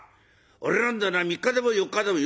俺なんざな３日でも４日でも」。